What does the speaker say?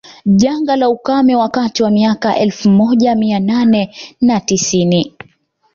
Janga la ukame wakati wa miaka ya elfu moja mia nane na tisini